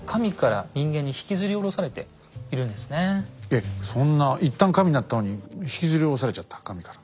えっそんな一旦神になったのに引きずり降ろされちゃった神から。